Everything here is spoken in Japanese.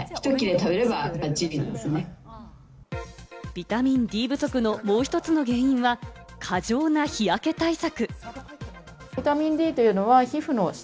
ビタミンＤ不足のもう一つの原因は、過剰な日焼け対策。